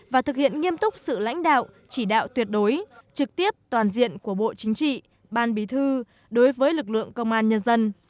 và thực hiện nghiêm túc sự lãnh đạo chỉ đạo tuyệt đối trực tiếp toàn diện của bộ chính trị ban bí thư đối với lực lượng công an nhân dân